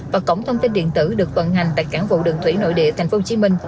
và cổng thông tin điện tử được vận hành tại cảng vụ đường thủy nội địa tp hcm